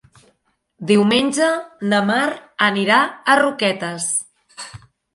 Diumenge na Mar anirà a Roquetes.